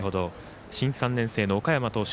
新３年生の岡山投手。